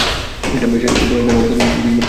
তো এখন আমাদের কী করা উচিত?